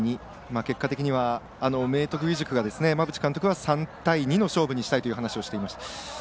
結果的には明徳義塾は馬淵監督が３対２の勝負にしたいという話をしていました。